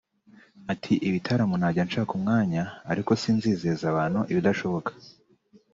Ati “Ibitaramo najya nshaka umwanya ariko sinzizeza abantu ibidashoboka